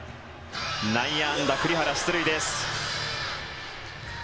内野安打栗原、出塁です。